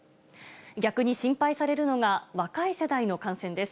逆に心配されるのが、若い世代の感染です。